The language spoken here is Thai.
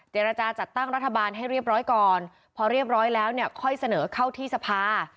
เจรจาจัดตั้งรัฐบาลให้เรียบร้อยก่อนพอเรียบร้อยแล้วเนี่ยค่อยเสนอเข้าที่สภา